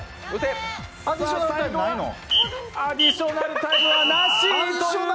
アディショナルタイムないの？